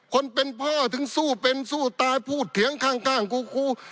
คนเป็นพ่อถึงสู้เป็นสู้ตายพูดเถียงข้างกู